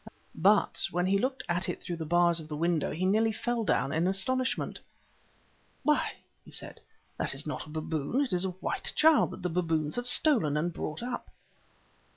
But when he looked at it through the bars of the window he nearly fell down with astonishment. "'Why!' he said, 'this is not a baboon, it is a white child that the baboons have stolen and brought up!